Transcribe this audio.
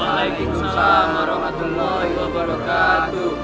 assalamualaikum warahmatullahi wabarakatuh